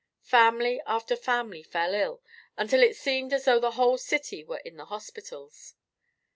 Family after family fell ill, until it seemed as though the whole city were in the hospitals.